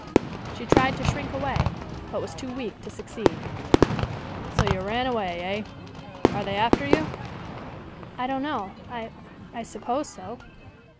She tried to shrink away, but was too weak to succeed. "So you ran away, eh? Are they after you?" "I don't know. I I suppose so."